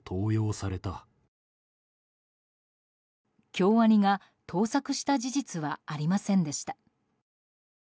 京アニが盗作した事実はありませんでした。